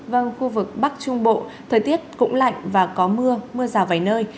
vâng khu vực bắc trung bộ thời tiết cũng lạnh và có mưa mưa rào vài nơi